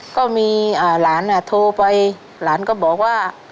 ก็มีหลานโทรไปหลานก็บอกว่า